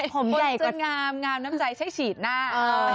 ผมจะงามงามน้ำใจจะฉีดหน้า